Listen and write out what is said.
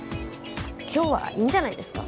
今日はいいんじゃないですか？